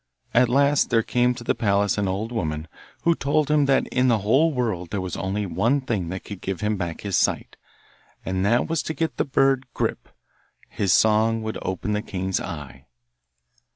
At last there came to the palace an old woman, who told him that in the whole world there was only one thing that could give him back his sight, and that was to get the bird Grip; his song would open the King's eyes.